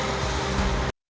mengucapkan terima kasih